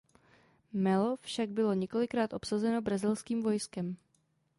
Melo však bylo několikrát obsazeno brazilským vojskem.